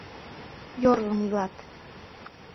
Йорлын илат.